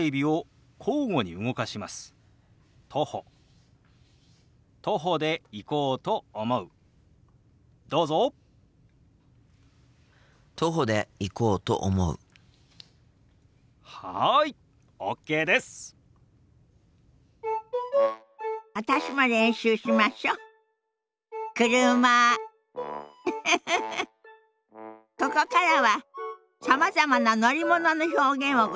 ここからはさまざまな乗り物の表現をご紹介します。